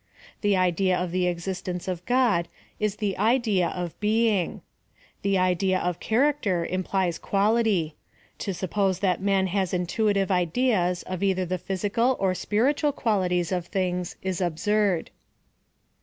The idea of the existence of God is the idea of being. The idea of character implies quality; to suppose that man has intuitive ideas of either the j)hysical or spiritual qualities of things is absurd.